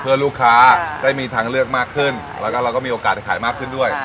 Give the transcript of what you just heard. เพื่อลูกค้าได้มีทางเลือกมากขึ้นแล้วก็เราก็มีโอกาสจะขายมากขึ้นด้วย